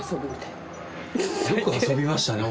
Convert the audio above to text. よく遊びましたね。